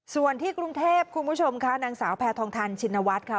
ส่วนที่กรุงเทพคุณผู้ชมค่ะนางสาวแพทองทันชินวัฒน์ค่ะ